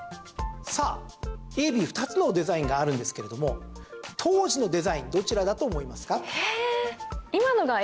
さあ、Ａ・Ｂ、２つのデザインがあるんですけれども当時のデザインどちらだと思いますか？